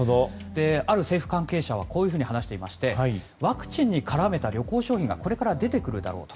ある政府関係者はこういうふうに話していましてワクチンに絡めた旅行商品がこれから出てくるだろうと。